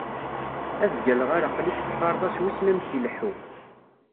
Ad d-ggalleɣ ar aql-ik teqqareḍ-as wissen amek ileḥḥu.